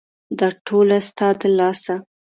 دا ټوله ستا د لاسه !